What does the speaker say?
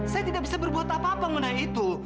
saya tidak bisa berbuat apa apa mengenai itu